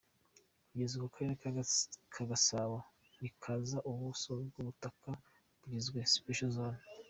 Kugeza ubu, Akarere ka Gasabo ntikazi ubuso bw’ubutaka bwagizwe ‘Special zone.